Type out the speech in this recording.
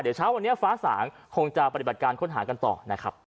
เดี๋ยวเช้าวันนี้ฟ้าสางคงจะปฏิบัติการค้นหากันต่อนะครับ